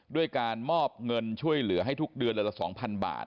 ด้วยการมอบเงินช่วยเหลือให้ทุกเดือนเลยละ๒๐๐บาท